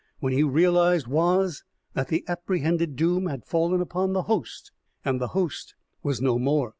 What he realized was that the apprehended doom had fallen upon the host, and the host was no more.